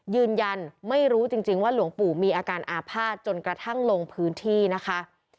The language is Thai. ยืนยันไม่รู้จริงว่าหลวงปู่มีอาการอาภาษณ์จนกระทั่งลงพื้นที่นะคะ